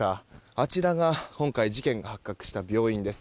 あちらが今回事件が発覚した病院です。